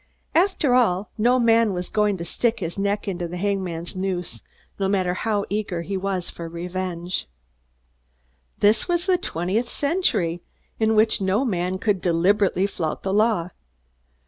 After all, no man was going to stick his neck into the hangman's noose, no matter how eager he was for revenge. This was the twentieth century, in which no man could deliberately flout the law.